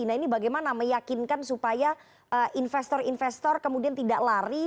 nah ini bagaimana meyakinkan supaya investor investor kemudian tidak lari